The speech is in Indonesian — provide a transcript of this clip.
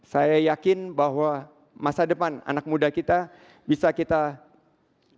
saya yakin bahwa masa depan anak muda kita bisa kita lakukan